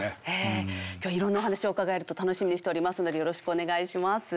今日はいろんなお話を伺えると楽しみにしておりますのでよろしくお願いします。